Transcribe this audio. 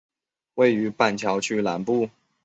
位于板桥区南部。